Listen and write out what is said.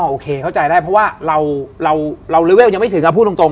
โอเคเข้าใจได้เพราะว่าเราเลเวลยังไม่ถึงพูดตรง